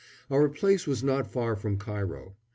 Our place was not far from Cairo.